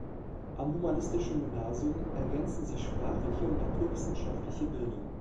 Am humanistischen Gymnasium ergänzen sich sprachliche und naturwissenschaftliche Bildung.